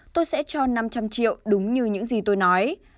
tôi sẽ cho năm trăm linh triệu đúng như những gì tôi nói